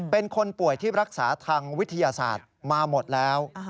เป็นคนป่วยที่รักษาทางวิทยาศาสตร์มาหมดแล้ว